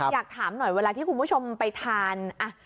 อยากถามหน่อยเวลาที่คุณผู้ชมไปทาน